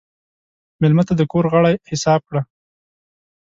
مېلمه ته د کور غړی حساب کړه.